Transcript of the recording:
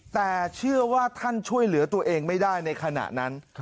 แต่เชื่อว่าท่านช่วยเหลือตัวเองไม่ได้ในขณะนั้น